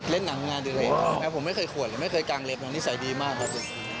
เล่นหนังงาดิเรย์แมวผมไม่เคยขวดไม่เคยกางเล็บหนังนิสัยดีมากครับ